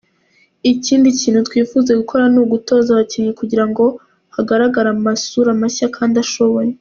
Ikindi kintu twifuza gukora ni ugutoza abakinnyi kugira ngo hagaragare amasura mashya kandi ashoboye.